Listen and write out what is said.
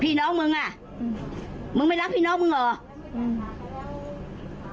น้องมึงอ่ะอืมมึงไม่รักพี่น้องมึงเหรออืม